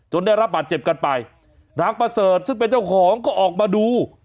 ได้รับบาดเจ็บกันไปนางประเสริฐซึ่งเป็นเจ้าของก็ออกมาดู